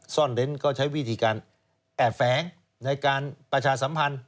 เน้นก็ใช้วิธีการแอบแฝงในการประชาสัมพันธ์